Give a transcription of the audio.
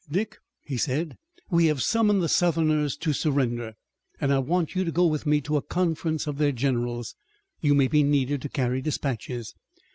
"Dick," he said, "we have summoned the Southerners to surrender, and I want you to go with me to a conference of their generals. You may be needed to carry dispatches."